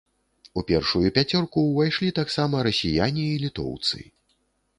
У першую пяцёрку ўвайшлі таксама расіяне і літоўцы.